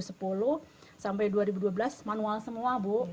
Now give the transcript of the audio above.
nah setelah dua ribu sepuluh sampai dua ribu dua belas manual semua bu